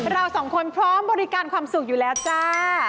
เราสองคนพร้อมบริการความสุขอยู่แล้วจ้า